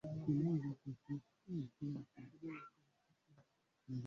amesema tabia hiyo ya polisi ya kuwaweka korokoroni wanahabari